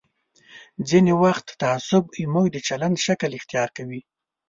ځینې وخت تعصب زموږ د چلند شکل اختیار کوي.